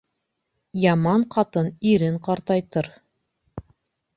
Яман ҡатын ирен ҡартайтыр.